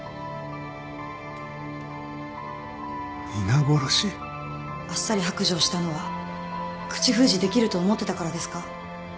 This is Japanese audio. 皆殺し？あっさり白状したのは口封じできると思ってたからですか？